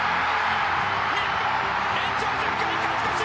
日本、延長１０回、勝ち越し！